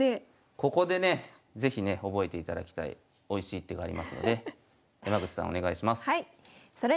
ここでね是非ね覚えていただきたいおいしい一手がありますので山口さんお願いします。